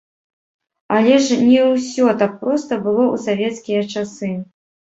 Але ж не ўсё так проста было ў савецкія часы.